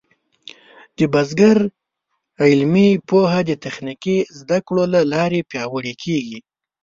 د بزګر علمي پوهه د تخنیکي زده کړو له لارې پیاوړې کېږي.